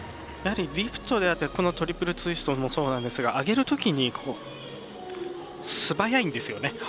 やはりリフトであったりトリプルツイストもそうなんですが、上げるときに素早いんですよね。